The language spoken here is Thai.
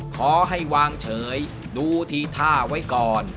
ขอให้วางเฉยดูทีท่าไว้ก่อน